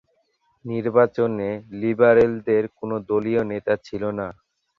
নির্বাচনে লিবারেলদের কোনো দলীয় নেতা ছিল না।